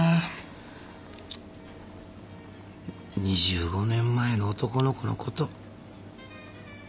２５年前の男の子のこと。